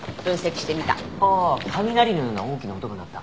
ああ雷のような大きな音が鳴った。